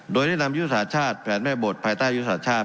โดยแนะนำยุทธศาสตร์ชาติแผนแม่บทภายใต้ยุทธศาสตร์ชาติ